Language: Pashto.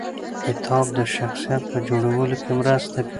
کتاب د شخصیت په جوړولو کې مرسته کوي.